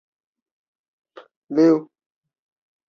录影真的超耗电